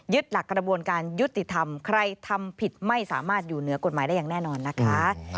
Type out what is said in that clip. หลักกระบวนการยุติธรรมใครทำผิดไม่สามารถอยู่เหนือกฎหมายได้อย่างแน่นอนนะคะ